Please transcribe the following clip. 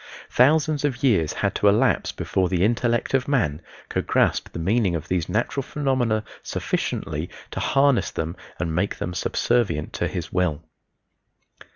Thousands of years had to elapse before the intellect of man could grasp the meaning of these natural phenomena sufficiently to harness them and make them subservient to his will.